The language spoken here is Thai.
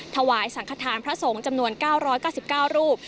ถวายสังขทานพระสงฆ์จำนวน๙๙๙รูป